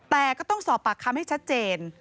แต่ก็ต้องสอบปากคำให้ชัดเจน